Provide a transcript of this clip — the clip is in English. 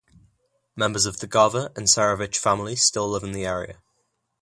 Members of the Gava and Serovich families still live in the area.